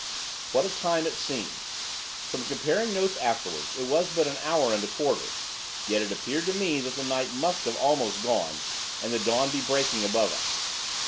What a time it seemed! From comparing notes afterwards it was but an hour and a quarter, yet it appeared to me that the night must have almost gone, and the dawn be breaking above us.